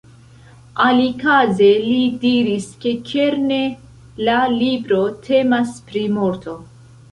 Alikaze li diris, ke kerne la libro temas pri morto.